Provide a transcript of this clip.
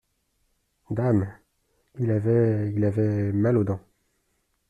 Dame !… il avait… il avait… mal aux dents.